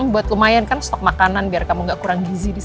buat lumayan kan stok makanan biar kamu gak kurang gizi di sini